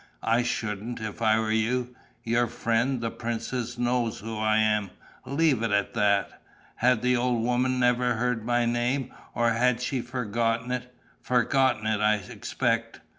I shouldn't, if I were you. Your friend, the princess, knows who I am: leave it at that. Had the old woman never heard my name, or has she forgotten it? Forgotten it, I expect.